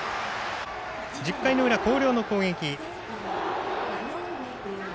１０回の裏、広陵の攻撃。